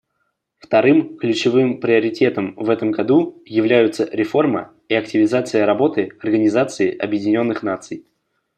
Вторым ключевым приоритетом в этом году являются реформа и активизация работы Организации Объединенных Наций.